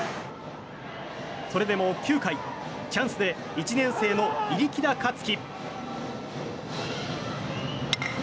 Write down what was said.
それでも９回、チャンスで１年生の入耒田華月。